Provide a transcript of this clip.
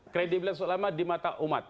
kredibilis selama di mata umat